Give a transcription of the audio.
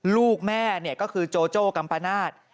ลูกแม่เนี่ยก็คือโจโจกัมปนาศ